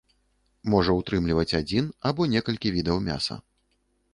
Можа ўтрымліваць адзін або некалькі відаў мяса.